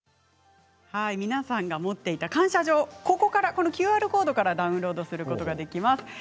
皆さんが持っていた感謝状このＱＲコードからダウンロードすることができます。